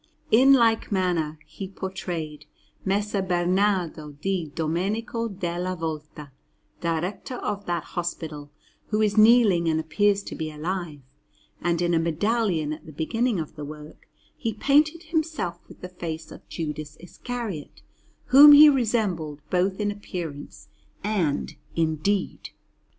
In like manner he portrayed Messer Bernardo di Domenico della Volta, Director of that hospital, who is kneeling and appears to be alive; and in a medallion at the beginning of the work he painted himself with the face of Judas Iscariot, whom he resembled both in appearance and in deed.